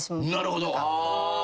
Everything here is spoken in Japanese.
なるほど。